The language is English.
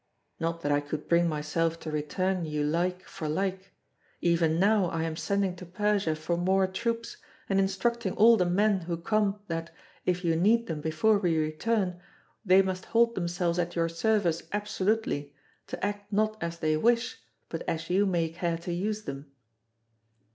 Not that I could bring myself to return you like for like; even now I am sending to Persia for more troops, and instructing all the men who come that, if you need them before we return, they must hold themselves at your service absolutely, to act not as they wish, but as you may care to use them.